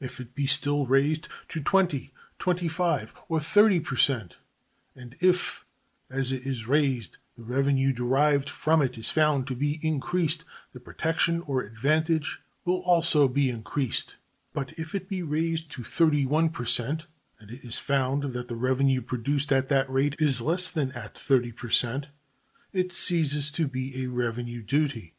If it be still raised to 20, 25, or 30 per cent, and if as it is raised the revenue derived from it is found to be increased, the protection or advantage will also be increased; but if it be raised to 31 per cent, and it is found that the revenue produced at that rate is less than at 30 per cent, it ceases to be a revenue duty.